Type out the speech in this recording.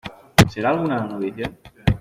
¿ será alguna novicia?